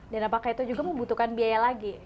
dan apakah itu juga membutuhkan biaya lagi